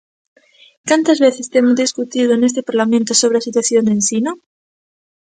¿Cantas veces temos discutido neste parlamento sobre a situación do ensino?